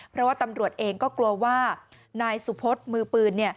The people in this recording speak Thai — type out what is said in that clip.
เพราะว่าตำรวจเองก็กลัวว่านายสุพศมือปืน